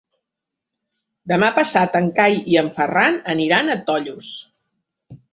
Demà passat en Cai i en Ferran aniran a Tollos.